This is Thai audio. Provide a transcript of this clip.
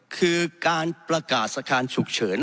คือการประกาศสถานการณ์ฉุกเฉิน